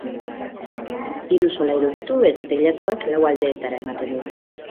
Hiru solairu ditu eta teilatuak lau aldeetara ematen du.